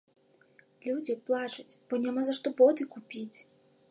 Людзі плачуць, бо няма за што боты купіць!